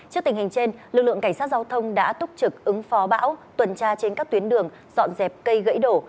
trước tình hình trên lực lượng cảnh sát giao thông đã túc trực ứng phó bão tuần tra trên các tuyến đường dọn dẹp cây gãy đổ